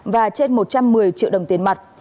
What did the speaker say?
và trên một trăm một mươi triệu đồng tiền mặt